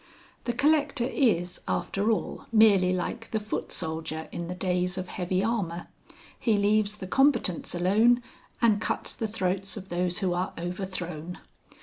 The collector is after all merely like the foot soldier in the days of heavy armour he leaves the combatants alone and cuts the throats of those who are overthrown.